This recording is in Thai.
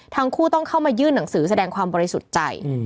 ทั้งคู่ต้องเข้ามายื่นหนังสือแสดงความบริสุทธิ์ใจ